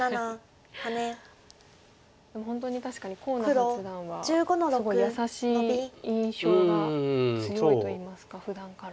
でも本当に確かに河野八段はすごい優しい印象が強いといいますかふだんから。